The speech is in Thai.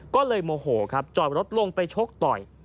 ก็เลยโมโหครับจอดรถลงไปชกต่อย